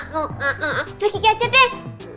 dekik aja deh